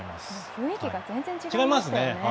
雰囲気が全然違いましたよね。